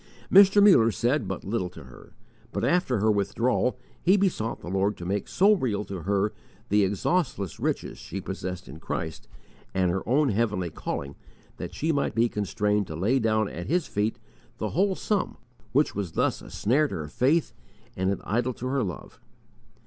Mr. Muller said but little to her, but after her withdrawal he besought the Lord to make so real to her the exhaustless riches she possessed in Christ, and her own heavenly calling, that she might be constrained to lay down at His feet the whole sum which was thus a snare to her faith and an idol to her love.